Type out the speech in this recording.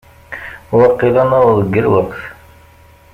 Waqil ad naweḍ deg lweqt.